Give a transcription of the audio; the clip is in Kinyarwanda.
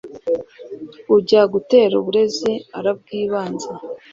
Ujya gutera uburezi arabwibanza.